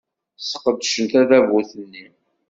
Sqedcen tadabut-nni.